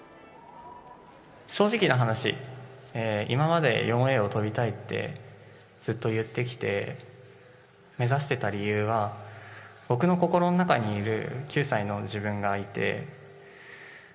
正直な話、今まで４Ａを跳びたいって、ずっと言ってきて、目指してた理由は、僕の心の中にいる、９歳の自分がいて。